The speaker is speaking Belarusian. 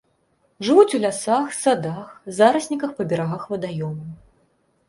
Жывуць у лясах, садах, зарасніках па берагах вадаёмаў.